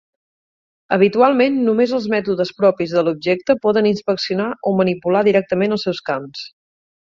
Habitualment només els mètodes propis de l'objecte poden inspeccionar o manipular directament els seus camps.